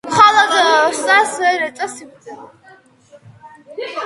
მხოლოდ ოსტატს ვერ ეწევა სიკვდილი.